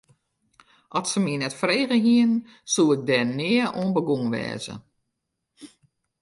As se my net frege hiene, soe ik der nea oan begûn wêze.